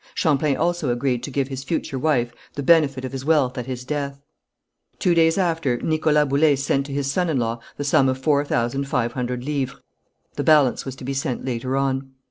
Champlain also agreed to give his future wife the benefit of his wealth at his death. Two days after, Nicholas Boullé sent to his son in law the sum of four thousand five hundred livres, the balance was to be sent later on.